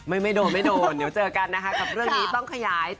ไม่ไม่โดนไม่โดนเดี๋ยวเจอกันนะคะกับเรื่องนี้ต้องขยาย